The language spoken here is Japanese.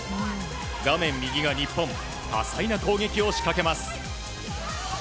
画面右が日本多彩な攻撃を仕掛けます。